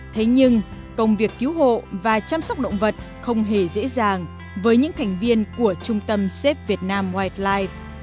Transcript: thế nhưng công việc cứu hộ và chăm sóc động vật không hề dễ dàng với những thành viên của trung tâm xếp việt nam wildlife